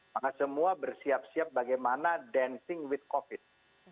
maka semua bersiap siap bagaimana dancing with covid